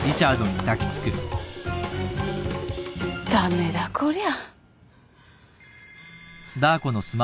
駄目だこりゃ。